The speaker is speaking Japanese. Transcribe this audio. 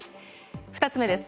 ２つ目です。